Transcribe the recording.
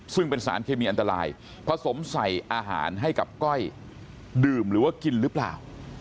ซึ่งเป็นสารเคมีอันตรายผสมใส่อาหารให้กับก้อยดื่มหรือว่ากินหรือเปล่า